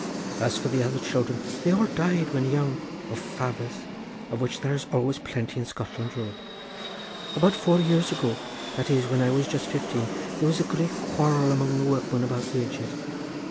As for the other children, they all died when young, of favers, of which there is always plenty in Scotland Road. About four years ago—that is, when I was just fifteen—there was a great quarrel among the workmen about wages.